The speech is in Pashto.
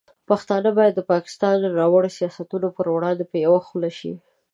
پښتانه باید د پاکستان د ناوړه سیاستونو پر وړاندې په یوه خوله شي.